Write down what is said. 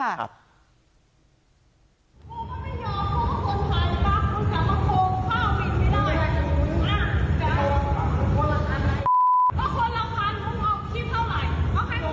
มึงอย่ามาพูดมึงกับกู